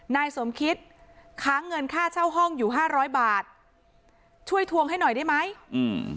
นายสมคิตค้างเงินค่าเช่าห้องอยู่ห้าร้อยบาทช่วยทวงให้หน่อยได้ไหมอืม